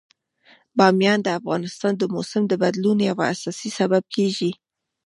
بامیان د افغانستان د موسم د بدلون یو اساسي سبب کېږي.